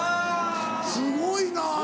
すごいな！